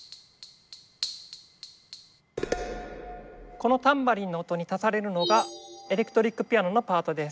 このタンバリンの音に足されるのがエレクトリックピアノのパートです。